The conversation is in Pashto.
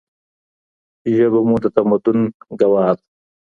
ژبه مو د تمدن ګواه ده.